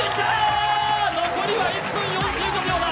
残りは１分４５秒だ。